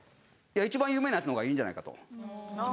一番有名なやつのほうがいいんじゃないかと。